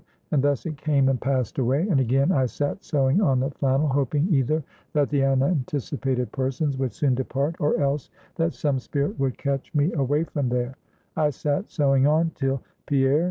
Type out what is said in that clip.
And thus it came and passed away; and again I sat sewing on the flannel, hoping either that the unanticipated persons would soon depart, or else that some spirit would catch me away from there; I sat sewing on till, Pierre!